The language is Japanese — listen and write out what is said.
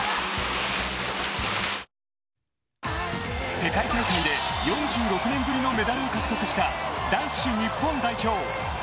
世界大会で４６年ぶりのメダルを獲得した男子日本代表。